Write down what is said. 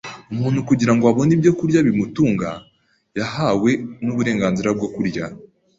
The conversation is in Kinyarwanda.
umuntu kugira ngo abone ibyokurya bimutunga yahawe n’uburenganzira bwo kurya